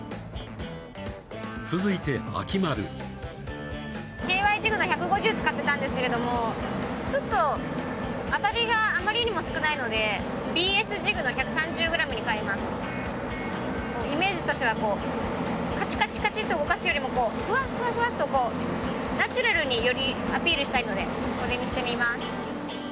続いて秋丸ＫＹジグの１５０使ってたんですけれどもちょっとアタリがあまりにも少ないのでＢＳジグの１３０ｇにかえますイメージとしてはこうカチカチカチっと動かすよりもこうフワフワフワっとこうナチュラルによりアピールしたいのでこれにしてみます